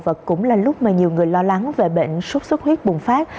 và cũng là lúc mà nhiều người lo lắng về bệnh sốt xuất huyết bùng phát